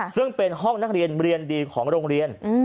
ซึ่งเป็นห้องนักเรียนเรียนดีของโรงเรียน